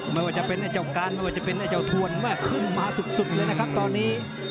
ไม่ว่าจะเป็นไอ้เจ้าการไม่ว่าจะเป็นไอ้เจ้าทวนแม่ขึ้นมาสุดเลยนะครับตอนนี้